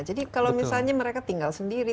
jadi kalau misalnya mereka tinggal sendiri